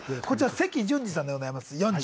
こちら関純治さんでございます。